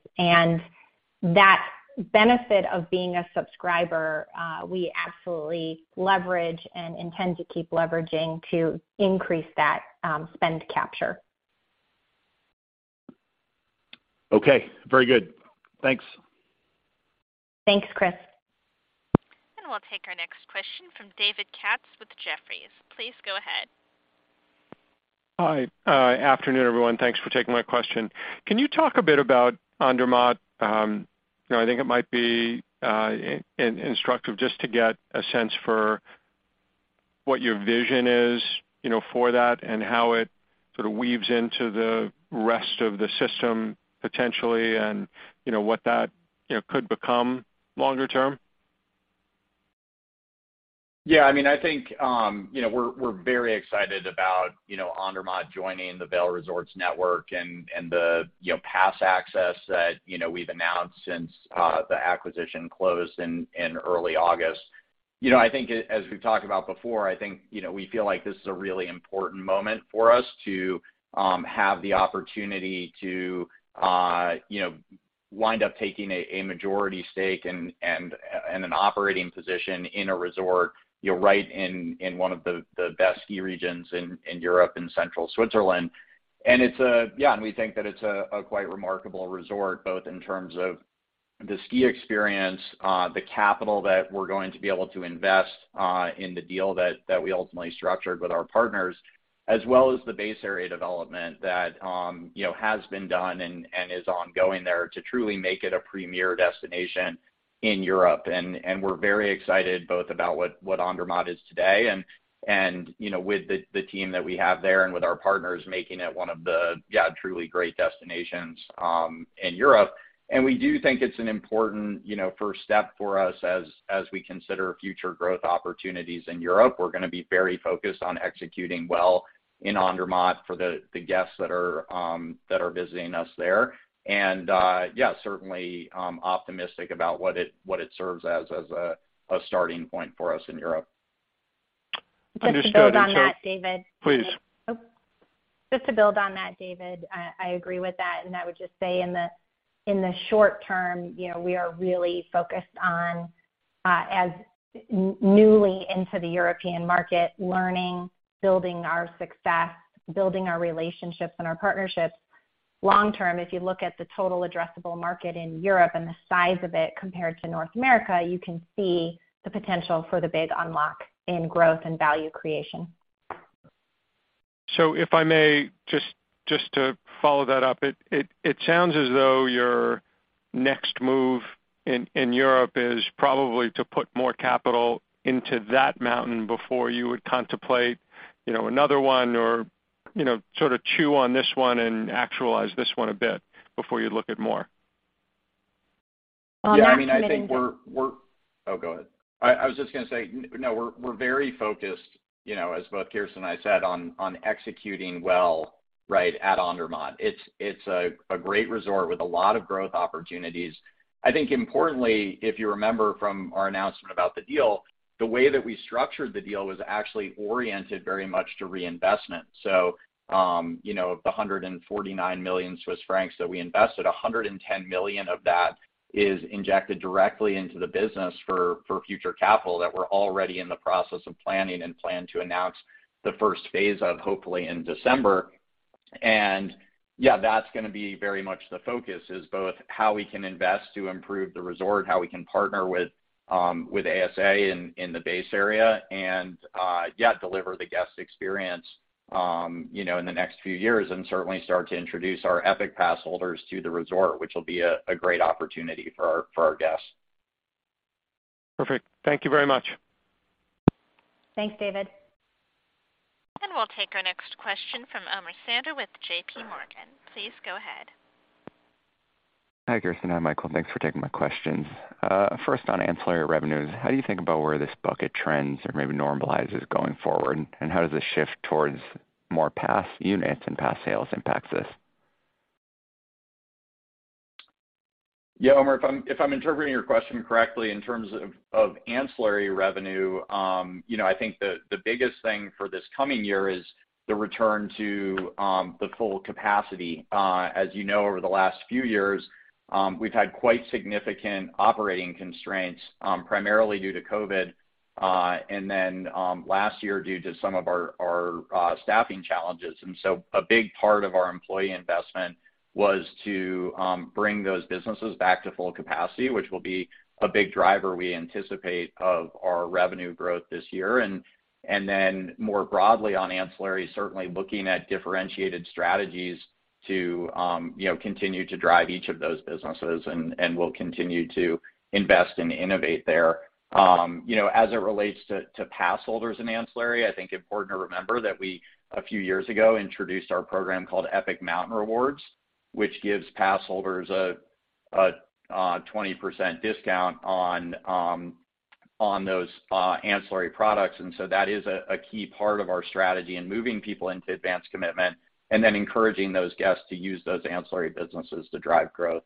That benefit of being a subscriber we absolutely leverage and intend to keep leveraging to increase that spend capture. Okay. Very good. Thanks. Thanks, Chris. We'll take our next question from David Katz with Jefferies. Please go ahead. Hi. Afternoon, everyone. Thanks for taking my question. Can you talk a bit about Andermatt? You know, I think it might be instructive just to get a sense for what your vision is, you know, for that and how it sort of weaves into the rest of the system potentially, and, you know, what that, you know, could become longer term. Yeah. I mean, I think, you know, we're very excited about, you know, Andermatt joining the Vail Resorts network and the, you know, pass access that, you know, we've announced since the acquisition closed in early August. You know, I think as we've talked about before, I think, you know, we feel like this is a really important moment for us to have the opportunity to, you know, wind up taking a majority stake and an operating position in a resort, you know, right in one of the best ski regions in Europe and central Switzerland. It's a. Yeah, we think that it's a quite remarkable resort, both in terms of the ski experience, the capital that we're going to be able to invest in the deal that we ultimately structured with our partners, as well as the base area development that you know has been done and is ongoing there to truly make it a premier destination in Europe. We're very excited both about what Andermatt is today and you know with the team that we have there and with our partners making it one of the yeah truly great destinations in Europe. We do think it's an important you know first step for us as we consider future growth opportunities in Europe. We're gonna be very focused on executing well in Andermatt for the guests that are visiting us there. Yeah, certainly optimistic about what it serves as a starting point for us in Europe. Understood. Just to build on that, David. Please. Just to build on that, David, I agree with that, and I would just say in the short term, you know, we are really focused on, as newly into the European market, learning, building our success, building our relationships and our partnerships. Long term, if you look at the total addressable market in Europe and the size of it compared to North America, you can see the potential for the big unlock in growth and value creation. If I may, just to follow that up, it sounds as though your next move in Europe is probably to put more capital into that mountain before you would contemplate, you know, another one or, you know, sort of chew on this one and actualize this one a bit before you look at more. On that commitment. Yeah. I mean, I think we're. Oh, go ahead. I was just gonna say, no, we're very focused, you know, as both Kirsten and I said, on executing well, right, at Andermatt. It's a great resort with a lot of growth opportunities. I think importantly, if you remember from our announcement about the deal, the way that we structured the deal was actually oriented very much to reinvestment. You know, of the 149 million Swiss francs that we invested, 110 million of that is injected directly into the business for future capital that we're already in the process of planning and plan to announce the first phase of, hopefully in December. That's gonna be very much the focus, is both how we can invest to improve the resort, how we can partner with ASA in the base area and deliver the guest experience, you know, in the next few years and certainly start to introduce our Epic Pass holders to the resort, which will be a great opportunity for our guests. Perfect. Thank you very much. Thanks, David. We'll take our next question from Omar Sandy with JPMorgan. Please go ahead. Hi, Kirsten and Michael. Thanks for taking my questions. First on ancillary revenues, how do you think about where this bucket trends or maybe normalizes going forward? How does the shift towards more pass units and pass sales impacts this? Yeah, Omer, if I'm interpreting your question correctly in terms of ancillary revenue, you know, I think the biggest thing for this coming year is the return to the full capacity. As you know, over the last few years, we've had quite significant operating constraints, primarily due to COVID, and then last year due to some of our staffing challenges. A big part of our employee investment was to bring those businesses back to full capacity, which will be a big driver we anticipate of our revenue growth this year. Then more broadly on ancillary, certainly looking at differentiated strategies to, you know, continue to drive each of those businesses and we'll continue to invest and innovate there. You know, as it relates to pass holders and ancillary, I think important to remember that we a few years ago introduced our program called Epic Mountain Rewards, which gives pass holders a 20% discount on those ancillary products. That is a key part of our strategy in moving people into advanced commitment and then encouraging those guests to use those ancillary businesses to drive growth.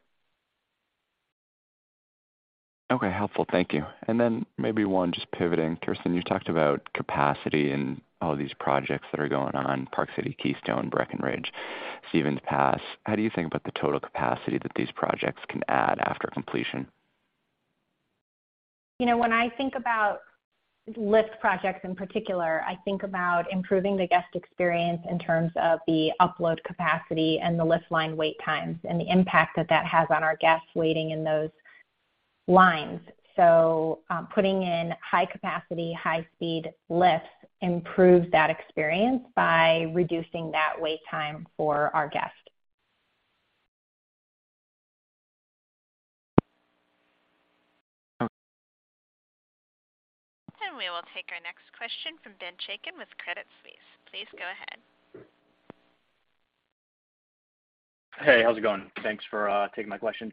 Okay, helpful. Thank you. Maybe one just pivoting. Kirsten, you talked about capacity in all these projects that are going on, Park City, Keystone, Breckenridge, Stevens Pass. How do you think about the total capacity that these projects can add after completion? You know, when I think about lift projects in particular, I think about improving the guest experience in terms of the upload capacity and the lift line wait times and the impact that that has on our guests waiting in those lines. Putting in high capacity, high-speed lifts improves that experience by reducing that wait time for our guests. Okay. We will take our next question from Ben Chaiken with Credit Suisse. Please go ahead. Hey, how's it going? Thanks for taking my question.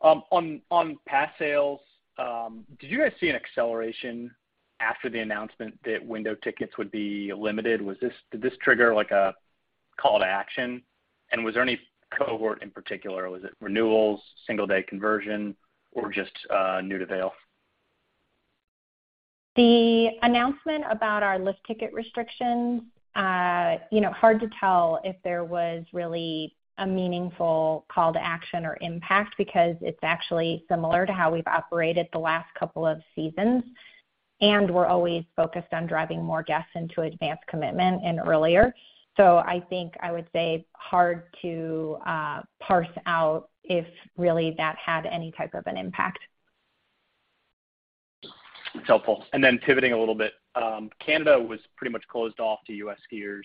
On pass sales, did you guys see an acceleration after the announcement that window tickets would be limited? Did this trigger like a call to action? Was there any cohort in particular? Was it renewals, single day conversion, or just new to Vail? The announcement about our lift ticket restrictions, you know, hard to tell if there was really a meaningful call to action or impact because it's actually similar to how we've operated the last couple of seasons, and we're always focused on driving more guests into advanced commitment and earlier. I think I would say hard to parse out if really that had any type of an impact. That's helpful. Pivoting a little bit, Canada was pretty much closed off to U.S. skiers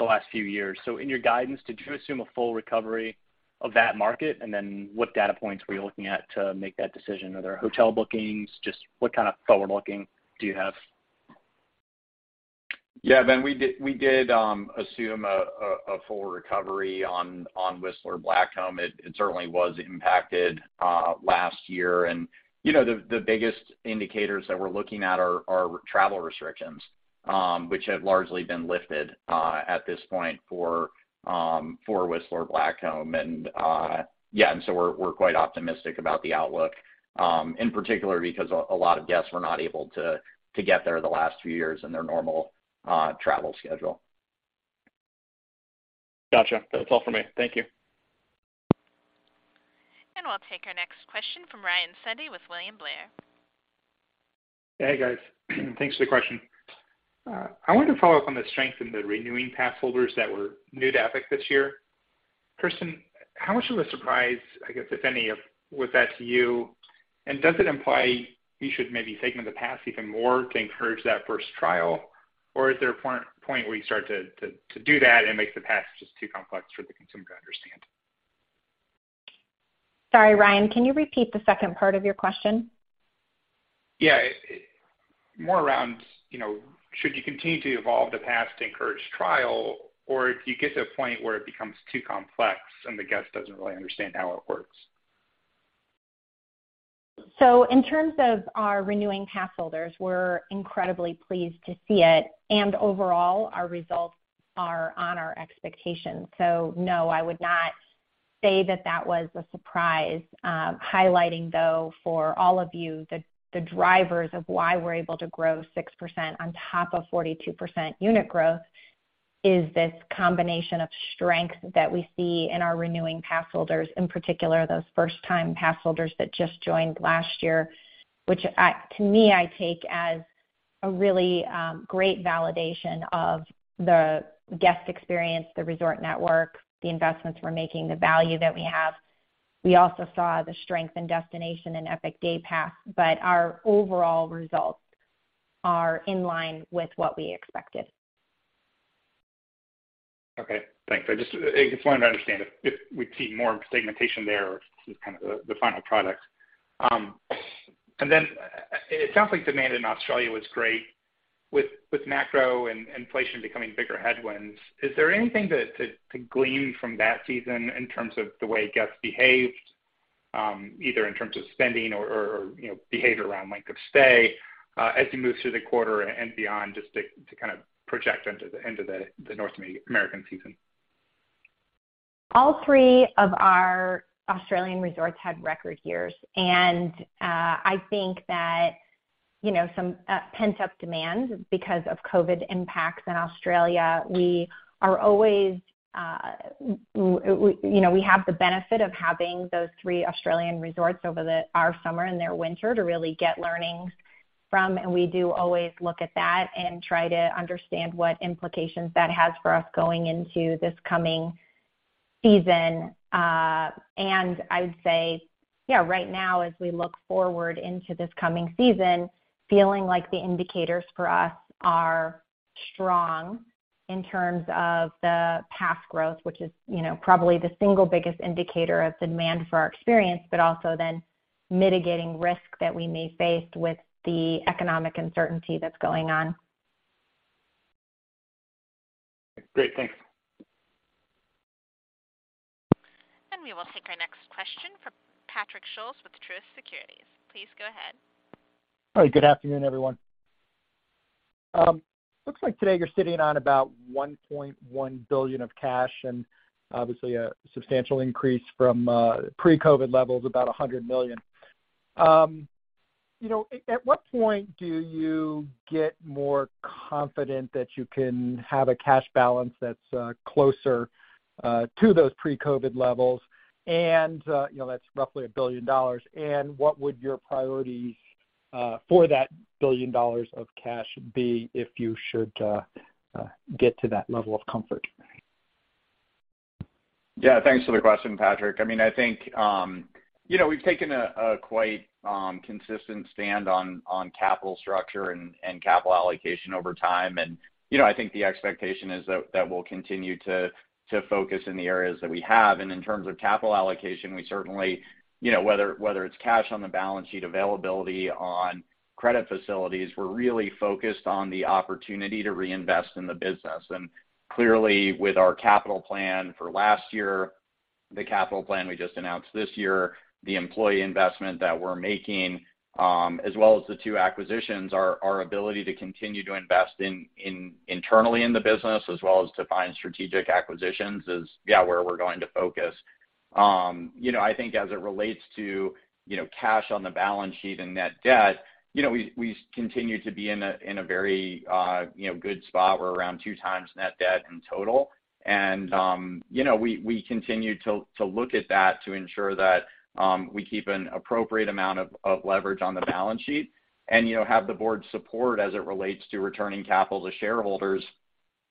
the last few years. In your guidance, did you assume a full recovery of that market? What data points were you looking at to make that decision? Are there hotel bookings? Just what kind of forward-looking do you have? Yeah. Ben, we did assume a full recovery on Whistler Blackcomb. It certainly was impacted last year. You know, the biggest indicators that we're looking at are travel restrictions, which have largely been lifted at this point for Whistler Blackcomb. Yeah, so we're quite optimistic about the outlook in particular because a lot of guests were not able to get there the last few years in their normal travel schedule. Gotcha. That's all for me. Thank you. We'll take our next question from Ryan Sundby with William Blair. Hey, guys. Thanks for the question. I wanted to follow up on the strength in the renewing pass holders that were new to Epic this year. Kirsten, how much of a surprise, I guess if any, was that to you? Does it imply you should maybe segment the pass even more to encourage that first trial? Is there a point where you start to do that and makes the pass just too complex for the consumer to understand? Sorry, Ryan, can you repeat the second part of your question? Yeah. More around, you know, should you continue to evolve the pass to encourage trial or if you get to a point where it becomes too complex and the guest doesn't really understand how it works? In terms of our renewing pass holders, we're incredibly pleased to see it. Overall, our results are on our expectations. No, I would not say that was a surprise. Highlighting though for all of you the drivers of why we're able to grow 6% on top of 42% unit growth is this combination of strength that we see in our renewing pass holders, in particular, those first-time pass holders that just joined last year. Which to me, I take as a really, great validation of the guest experience, the resort network, the investments we're making, the value that we have. We also saw the strength in destination and Epic Day Pass, but our overall results are in line with what we expected. Okay, thanks. I just wanted to understand if we'd see more segmentation there or kind of the final product. It sounds like demand in Australia was great. With macro and inflation becoming bigger headwinds, is there anything to glean from that season in terms of the way guests behaved, either in terms of spending or, you know, behavior around length of stay, as you move through the quarter and beyond, just to kind of project into the North American season? All three of our Australian resorts had record years, and I think that, you know, some pent-up demand because of COVID impacts in Australia. We are always, you know, we have the benefit of having those three Australian resorts over our summer and their winter to really get learnings from, and we do always look at that and try to understand what implications that has for us going into this coming season. I would say, yeah, right now as we look forward into this coming season, feeling like the indicators for us are strong in terms of the pass growth, which is, you know, probably the single biggest indicator of demand for our experience, but also then mitigating risk that we may face with the economic uncertainty that's going on. Great. Thanks. We will take our next question from Patrick Scholes with Truist Securities. Please go ahead. Hi, good afternoon, everyone. Looks like today you're sitting on about $1.1 billion of cash, and obviously a substantial increase from pre-COVID levels, about $100 million. You know, at what point do you get more confident that you can have a cash balance that's closer to those pre-COVID levels, and you know, that's roughly $1 billion, and what would your priorities for that $1 billion of cash be if you should get to that level of comfort? Yeah, thanks for the question, Patrick. I mean, I think, you know, we've taken a quite consistent stand on capital structure and capital allocation over time. I think the expectation is that we'll continue to focus in the areas that we have. In terms of capital allocation, we certainly, you know, whether it's cash on the balance sheet, availability on credit facilities, we're really focused on the opportunity to reinvest in the business. Clearly, with our capital plan for last year, the capital plan we just announced this year, the employee investment that we're making, as well as the two acquisitions, our ability to continue to invest internally in the business as well as to find strategic acquisitions is where we're going to focus. You know, I think as it relates to, you know, cash on the balance sheet and net debt, you know, we continue to be in a very, you know, good spot. We're around 2x net debt in total. You know, we continue to look at that to ensure that we keep an appropriate amount of leverage on the balance sheet and, you know, have the board's support as it relates to returning capital to shareholders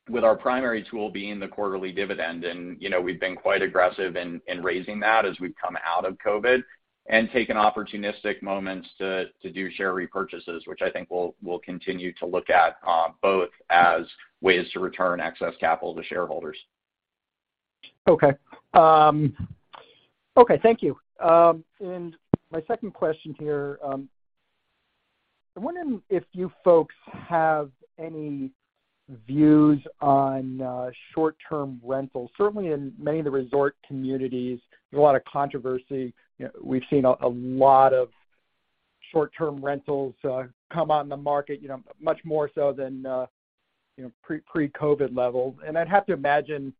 with our primary tool being the quarterly dividend. You know, we've been quite aggressive in raising that as we've come out of COVID and taken opportunistic moments to do share repurchases, which I think we'll continue to look at, both as ways to return excess capital to shareholders. Okay. Okay. Thank you. My second question here, I'm wondering if you folks have any views on short-term rentals. Certainly in many of the resort communities, there's a lot of controversy. You know, we've seen a lot of short-term rentals come out in the market, you know, much more so than pre-COVID levels. I'd have to imagine,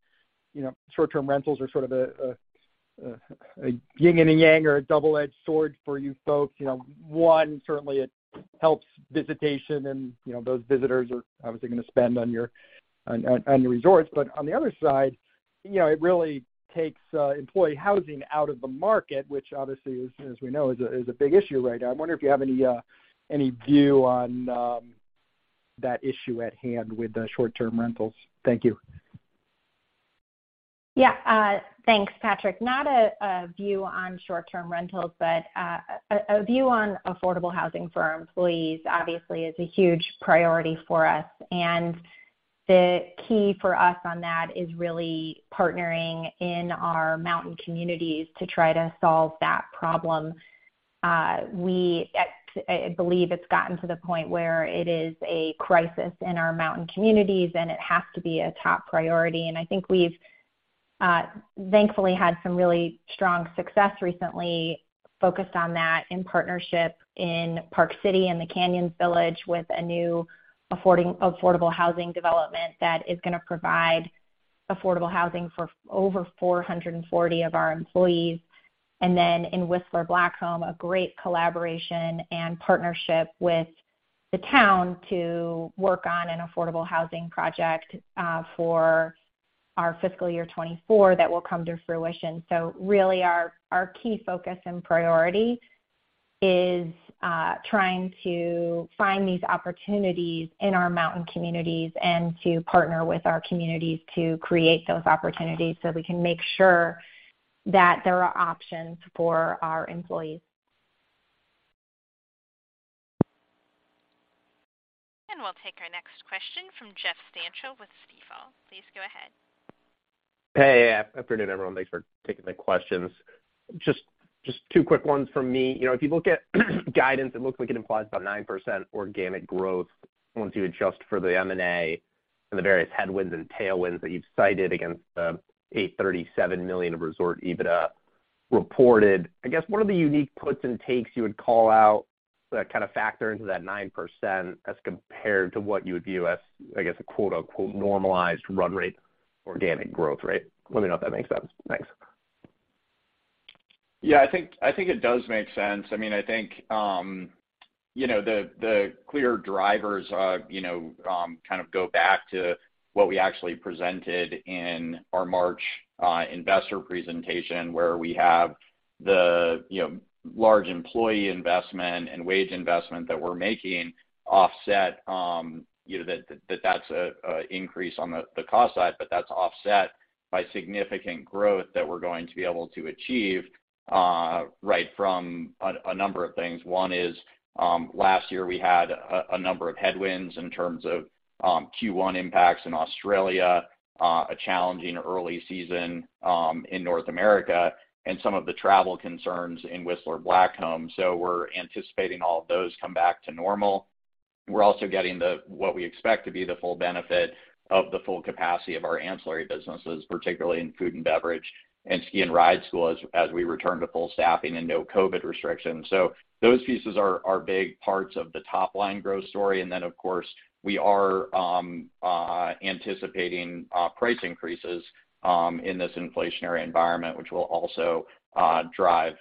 you know, short-term rentals are sort of a yin and a yang or a double-edged sword for you folks. You know, one, certainly it helps visitation and, you know, those visitors are obviously gonna spend on your resorts. On the other side, you know, it really takes employee housing out of the market, which obviously, as we know, is a big issue right now. I wonder if you have any view on that issue at hand with the short-term rentals. Thank you. Yeah. Thanks, Patrick. Not a view on short-term rentals, but a view on affordable housing for our employees obviously is a huge priority for us. The key for us on that is really partnering in our mountain communities to try to solve that problem. We believe it's gotten to the point where it is a crisis in our mountain communities, and it has to be a top priority. I think we've thankfully had some really strong success recently focused on that in partnership in Park City in the Canyons Village with a new affordable housing development that is gonna provide affordable housing for over 440 of our employees. In Whistler Blackcomb, a great collaboration and partnership with the town to work on an affordable housing project for our fiscal year 2024 that will come to fruition. Really our key focus and priority is trying to find these opportunities in our mountain communities and to partner with our communities to create those opportunities so we can make sure that there are options for our employees. We'll take our next question from Jeff Stantial with Stifel. Please go ahead. Hey. Afternoon, everyone. Thanks for taking the questions. Just two quick ones from me. You know, if you look at guidance, it looks like it implies about 9% organic growth once you adjust for the M&A and the various headwinds and tailwinds that you've cited against the $837 million of resort EBITDA reported. I guess, what are the unique puts and takes you would call out that kind of factor into that 9% as compared to what you would view as, I guess, a quote-unquote, normalized run rate organic growth rate? Let me know if that makes sense. Thanks. Yeah, I think it does make sense. I mean, I think you know, the clear drivers are you know, kind of go back to what we actually presented in our March investor presentation, where we have you know, large employee investment and wage investment that we're making offset you know, that that's an increase on the cost side, but that's offset by significant growth that we're going to be able to achieve right from a number of things. One is last year we had a number of headwinds in terms of Q1 impacts in Australia, a challenging early season in North America, and some of the travel concerns in Whistler Blackcomb. We're anticipating all of those come back to normal. We're also getting the What we expect to be the full benefit of the full capacity of our ancillary businesses, particularly in food and beverage and ski and ride school as we return to full staffing and no COVID restrictions. Those pieces are big parts of the top-line growth story. Of course, we are anticipating price increases in this inflationary environment, which will also drive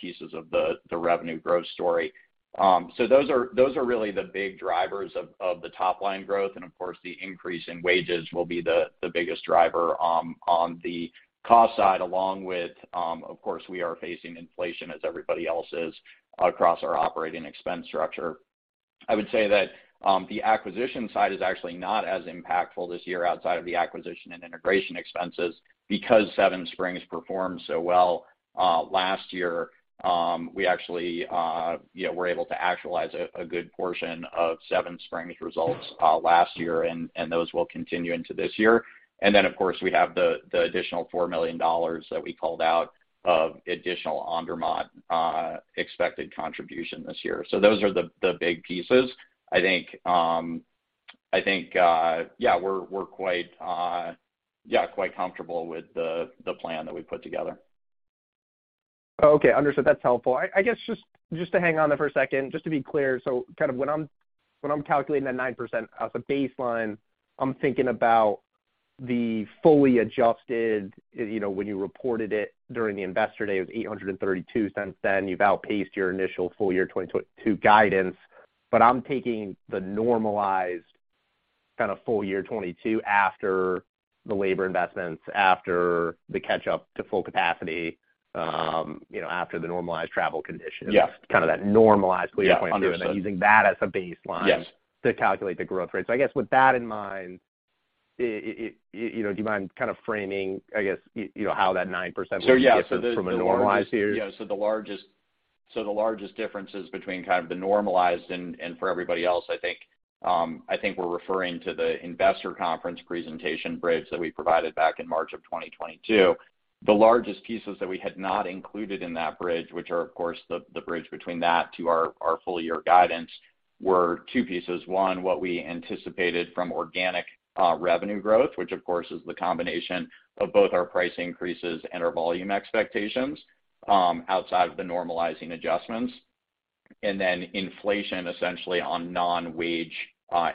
pieces of the revenue growth story. Those are really the big drivers of the top-line growth. Of course, the increase in wages will be the biggest driver on the cost side, along with of course we are facing inflation as everybody else is across our operating expense structure. I would say that the acquisition side is actually not as impactful this year outside of the acquisition and integration expenses. Because Seven Springs performed so well last year, we actually, you know, were able to actualize a good portion of Seven Springs results last year. Those will continue into this year. Then, of course, we have the additional $4 million that we called out of additional Andermatt expected contribution this year. Those are the big pieces. I think we're quite comfortable with the plan that we've put together. Okay, understood. That's helpful. I guess just to hang on there for a second, just to be clear, so kind of when I'm calculating that 9% as a baseline, I'm thinking about the fully adjusted, you know, when you reported it during the investor day of 832. Since then, you've outpaced your initial full year 2022 guidance. I'm taking the normalized kind of full year 2022 after the labor investments, after the catch-up to full capacity, you know, after the normalized travel conditions. Yeah. Kind of that normalized full year 2022. Yeah, understood. Using that as a baseline. Yes to calculate the growth rate. I guess with that in mind, it you know, do you mind kind of framing, I guess, you know, how that 9% looks different from a normalized year? The largest differences between kind of the normalized and for everybody else, I think, we're referring to the investor conference presentation bridge that we provided back in March 2022. The largest pieces that we had not included in that bridge, which of course, the bridge between that to our full year guidance, were two pieces. One, what we anticipated from organic revenue growth, which of course is the combination of both our price increases and our volume expectations, outside of the normalizing adjustments. Inflation essentially on non-wage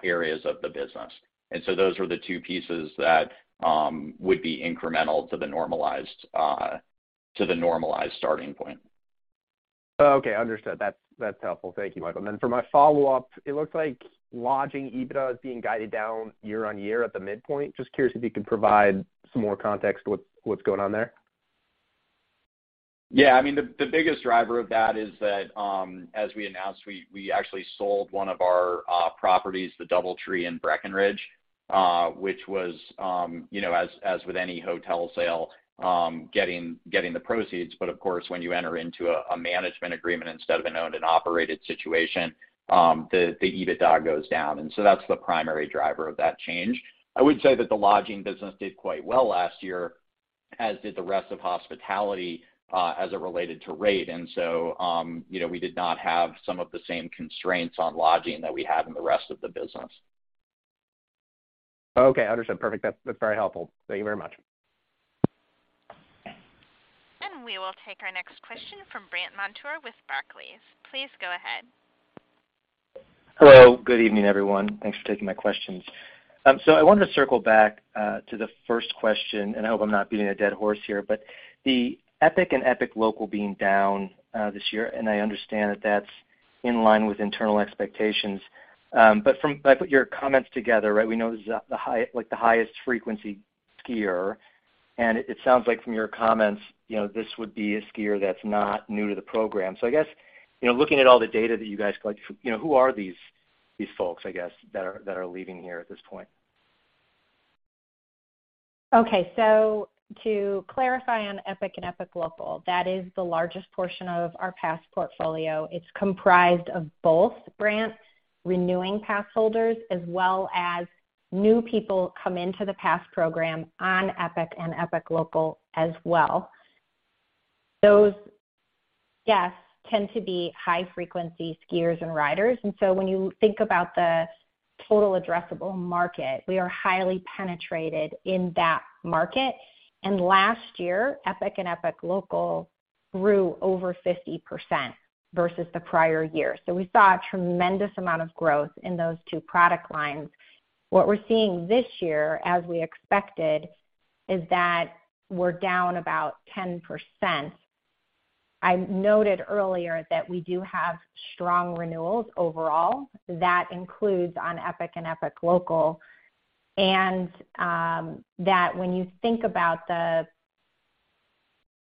areas of the business. Those are the two pieces that would be incremental to the normalized starting point. Okay, understood. That's helpful. Thank you, Michael. For my follow-up, it looks like lodging EBITDA is being guided down year on year at the midpoint. Just curious if you could provide some more context what's going on there? Yeah. I mean, the biggest driver of that is that, as we announced, we actually sold one of our properties, the DoubleTree in Breckenridge, which was, you know, as with any hotel sale, getting the proceeds. Of course, when you enter into a management agreement instead of an owned and operated situation, the EBITDA goes down. That's the primary driver of that change. I would say that the lodging business did quite well last year, as did the rest of hospitality, as it related to rate. You know, we did not have some of the same constraints on lodging that we had in the rest of the business. Okay, understood. Perfect. That's very helpful. Thank you very much. We will take our next question from Brandt Montour with Barclays. Please go ahead. Hello. Good evening, everyone. Thanks for taking my questions. I wanted to circle back to the first question, and I hope I'm not beating a dead horse here. The Epic and Epic Local being down this year, and I understand that that's in line with internal expectations. By putting your comments together, right, we know this is like the highest frequency skier, and it sounds like from your comments, you know, this would be a skier that's not new to the program. I guess, you know, looking at all the data that you guys collect, you know, who are these folks, I guess, that are leaving here at this point? Okay. To clarify on Epic and Epic Local, that is the largest portion of our pass portfolio. It's comprised of both Brandt's renewing pass holders, as well as new people come into the pass program on Epic and Epic Local as well. Those guests tend to be high-frequency skiers and riders. When you think about the total addressable market, we are highly penetrated in that market. Last year, Epic and Epic Local grew over 50% versus the prior year. We saw a tremendous amount of growth in those two product lines. What we're seeing this year, as we expected, is that we're down about 10%. I noted earlier that we do have strong renewals overall. That includes on Epic and Epic Local. That when you think about the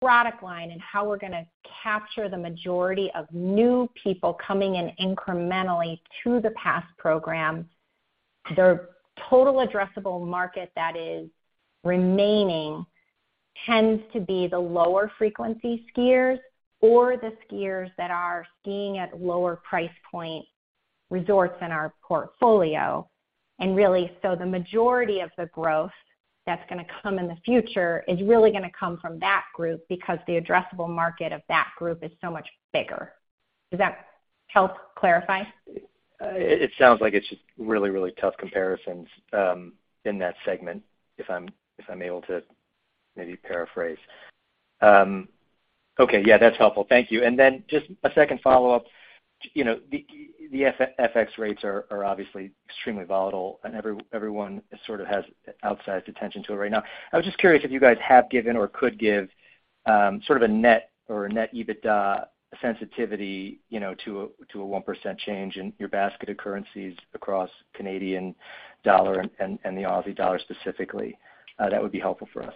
product line and how we're gonna capture the majority of new people coming in incrementally to the pass program, their total addressable market that is remaining tends to be the lower frequency skiers or the skiers that are skiing at lower price point resorts in our portfolio. Really, the majority of the growth that's gonna come in the future is really gonna come from that group because the addressable market of that group is so much bigger. Does that help clarify? It sounds like it's just really, really tough comparisons in that segment, if I'm able to maybe paraphrase. Okay. Yeah, that's helpful. Thank you. Then just a second follow-up. The FX rates are obviously extremely volatile, and everyone sort of has outsized attention to it right now. I was just curious if you guys have given or could give sort of a net EBITDA sensitivity to a 1% change in your basket of currencies across Canadian dollar and the Aussie dollar specifically. That would be helpful for us.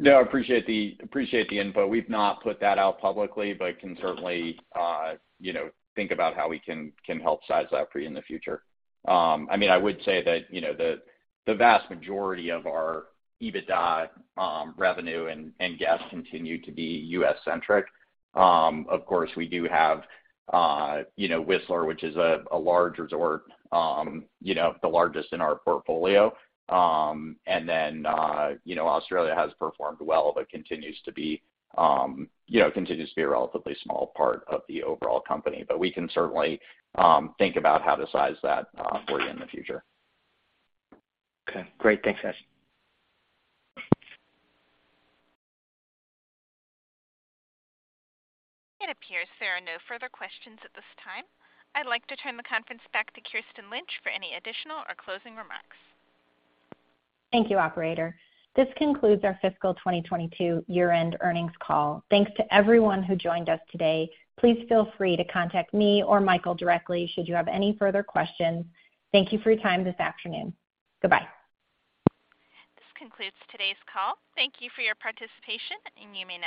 No, I appreciate the input. We've not put that out publicly, but can certainly think about how we can help size that for you in the future. I mean, I would say that, you know, the vast majority of our EBITDA, revenue and guests continue to be U.S.-centric. Of course, we do have, you know, Whistler, which is a large resort, you know, the largest in our portfolio. And then, you know, Australia has performed well, but continues to be a relatively small part of the overall company. We can certainly think about how to size that for you in the future. Okay, great. Thanks, guys. It appears there are no further questions at this time. I'd like to turn the conference back to Kirsten Lynch for any additional or closing remarks. Thank you, operator. This concludes our fiscal 2022 year-end earnings call. Thanks to everyone who joined us today. Please feel free to contact me or Michael directly should you have any further questions. Thank you for your time this afternoon. Goodbye. This concludes today's call. Thank you for your participation, and you may now disconnect.